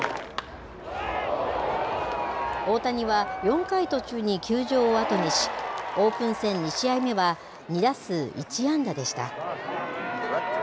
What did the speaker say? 大谷は、４回途中に球場を後にし、オープン戦２試合目は２打数１安打でした。